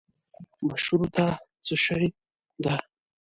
مشروطه څشي ده.